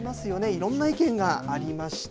いろんな意見がありました。